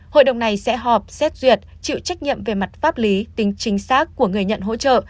hội đồng này sẽ họp xét duyệt chịu trách nhiệm về mặt pháp lý tính chính xác của người nhận hỗ trợ